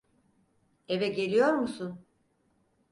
Eve geliyor musun?